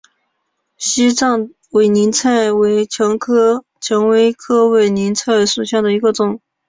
西藏委陵菜为蔷薇科委陵菜属下的一个种。